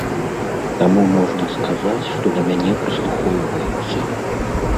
Таму можна сказаць, што да мяне прыслухоўваюцца.